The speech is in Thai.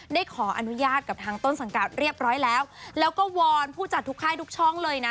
ได้ขออนุญาตกับทางต้นสังกัดเรียบร้อยแล้วแล้วก็วอนผู้จัดทุกค่ายทุกช่องเลยนะ